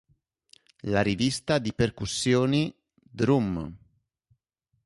La rivista di percussioni, "Drum!